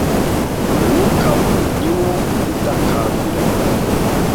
Umwuka We ni wo udutakambira